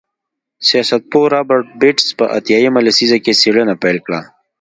سیاستپوه رابرټ بېټس په اتیا مه لسیزه کې څېړنه پیل کړه.